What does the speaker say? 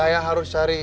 saya harus cari